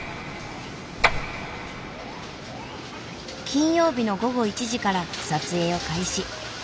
金曜日の午後１時から撮影を開始。